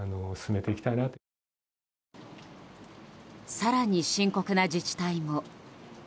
更に深刻な自治体も。